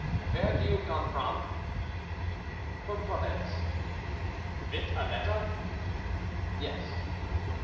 "Where do you gome from?" "From Provence." "Vit a ledder?" "Yes."